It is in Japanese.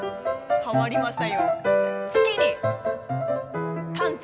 変わりました。